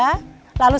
lalu sepuluh di belakang